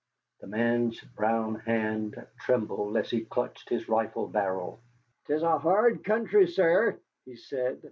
The man's brown hand trembled as he clutched his rifle barrel. "'Tis a hard country, sir," he said.